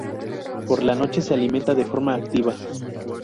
Por la noche, se alimenta de forma activa.